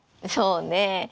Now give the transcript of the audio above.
そうね。